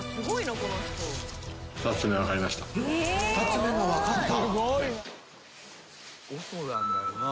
「２つ目も分かった？」